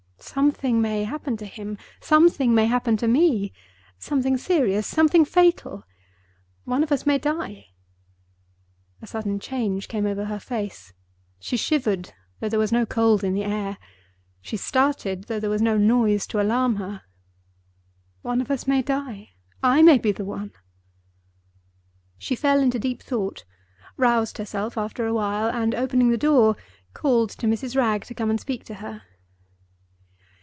Something may happen to him; something may happen to me. Something serious; something fatal. One of us may die." A sudden change came over her face. She shivered, though there was no cold in the air. She started, though there was no noise to alarm her. "One of us may die. I may be the one." She fell into deep thought, roused herself after a while, and, opening the door, called to Mrs. Wragge to come and speak to her.